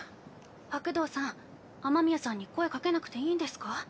白道さん雨宮さんに声掛けなくていいんですか？